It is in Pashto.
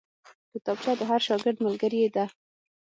کتابچه د هر شاګرد ملګرې ده